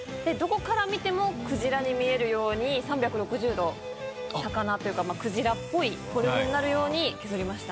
に見えるように３６０度魚っていうかクジラっぽいフォルムになるように削りました。